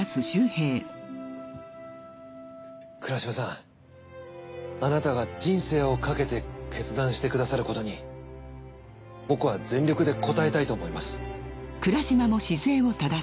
倉嶋さんあなたが人生をかけて決断してくださることに僕は全力で応えたいと思います。